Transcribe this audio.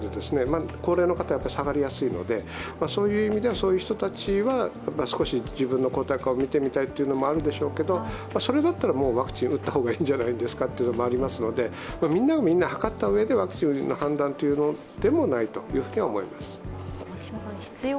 高齢の方は下がりやすいので、そういう人たちは少し自分の抗体価を見てみたいというのもあるでしょうけどそれだったらワクチンを打った方がいいんじゃないですかというのもありますので、みんながみんなはかったうえでワクチンの判断というものでもないと思います。